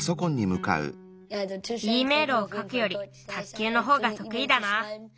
Ｅメールをかくより卓球のほうがとくいだな。